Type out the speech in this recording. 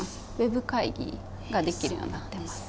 Ｗｅｂ会議ができるようになってます。